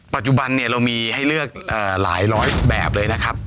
ปัจจุบันเนี่ยเรามีให้เลือกหลายร้อยแบบเลยนะครับ